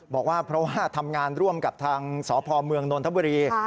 บอกว่าเพราะว่าทำงานร่วมกับทางสพเมืองนนทบุรี